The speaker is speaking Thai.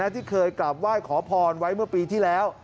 ที่เคยกราบไหว้ขอพรไว้เมื่อปีที่แล้ว